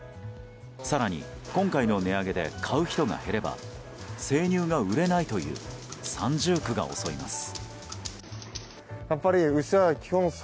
更に今回の値上げで買う人が減れば生乳が売れないという三重苦が襲います。